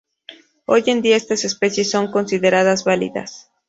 Hoy en día estas especies son consideradas válidas.